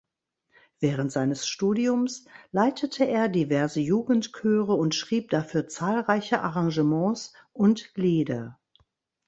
Während seines Studiums leitete er diverse Jugendchöre und schrieb dafür zahlreiche Arrangements und Lieder.